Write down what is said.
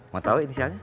mau tau inisialnya